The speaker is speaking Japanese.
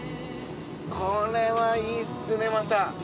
これはいいですねまた。